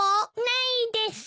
ないです。